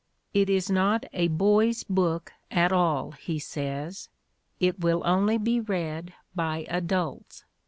"It is not a boys' book, at all," he says. "It will only be read by adults.